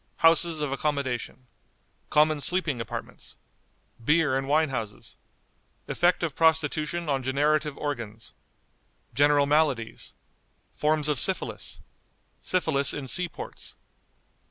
Houses of Accommodation. Common Sleeping Apartments. Beer and Wine Houses. Effect of Prostitution on Generative Organs. General Maladies. Forms of Syphilis. Syphilis in Sea ports.